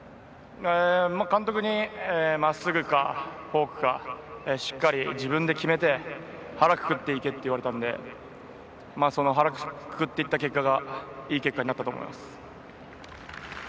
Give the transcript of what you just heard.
監督にまっすぐかフォークかしっかり自分で決めて腹くくっていけって言われたのでその腹くくっていった結果がいい結果になったと思います。